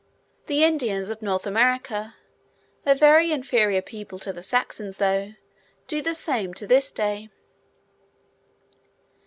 The Indians of North America,—a very inferior people to the Saxons, though—do the same to this day.